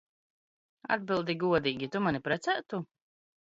Atbildi god?gi! Tu mani prec?tu?